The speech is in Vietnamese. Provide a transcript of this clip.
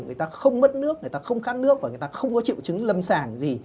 người ta không mất nước người ta không khát nước và người ta không có triệu chứng lâm sàng gì